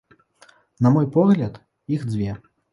На мой погляд, іх дзве.